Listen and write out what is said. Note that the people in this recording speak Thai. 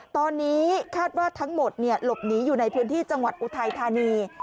ตอนนี้คาดว่าทั้งหมดหลบหนีอยู่ในพื้นที่จังหวัดอุทัยธานี